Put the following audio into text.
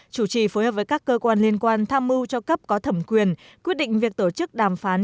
chủ trì phối hợp với các cơ quan liên quan tham mưu cho cấp có thẩm quyền quyết định việc tổ chức đàm phán